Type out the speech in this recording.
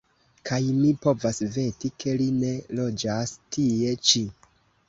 Kaj mi povas veti, ke li ne loĝas tie ĉi.